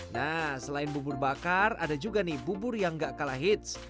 nah selain bubur bakar ada juga nih bubur yang gak kalah hits